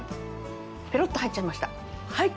ペロッと入っちゃいました。